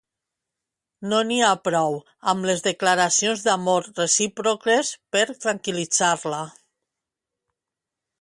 No n'hi ha prou amb les declaracions d'amor recíproques per tranquil·litzar-la.